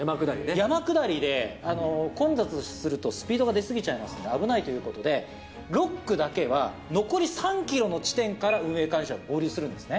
山下りで混雑するとスピードが出過ぎちゃいますので、危ないということで、６区だけは、残り３キロの地点から、箱根湯本ね。